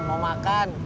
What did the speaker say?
mau pulang mau makan